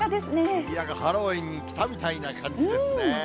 にぎやか、ハロウィーンに来たみたいな感じですね。